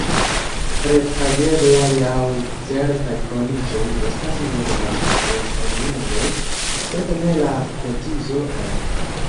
Repageblaj laŭ certaj kondiĉoj estas nur la kongresaj mendoj, sed ne la kotizo mem.